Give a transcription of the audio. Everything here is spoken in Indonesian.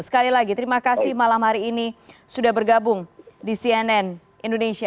sekali lagi terima kasih malam hari ini sudah bergabung di cnn indonesia